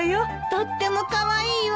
とってもカワイイわ。